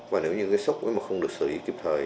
và nếu như sốc không được sử dụng kịp thời